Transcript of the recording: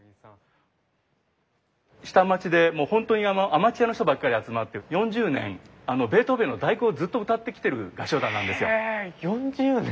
下町でもうホントにアマチュアの人ばっかり集まって４０年ベートーベンの「第九」をずっと歌ってきてる合唱団なんですよ。へ４０年！